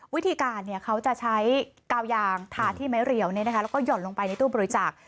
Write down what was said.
วิธีการเขาจะใช้กาวยางทาที่ไม้เรียวแล้วก็ห่อนลงไปในตู้บริจาค